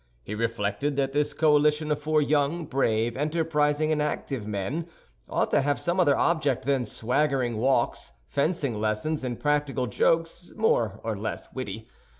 He reflected that this coalition of four young, brave, enterprising, and active men ought to have some other object than swaggering walks, fencing lessons, and practical jokes, more or less witty.